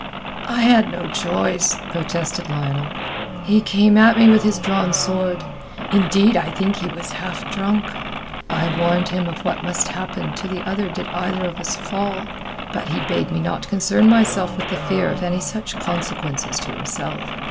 "I had no choice," protested Lionel. "He came at me with his drawn sword. Indeed, I think he was half drunk. I warned him of what must happen to the other did either of us fall, but he bade me not concern myself with the fear of any such consequences to himself.